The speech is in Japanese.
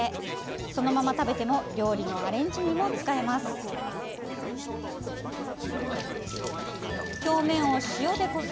そのまま食べても料理のアレンジにも使えます。